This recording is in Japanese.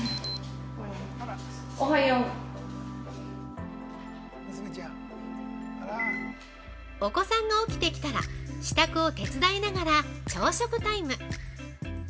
◆お子さんが起きてきたら支度を手伝いしながら朝食タイム。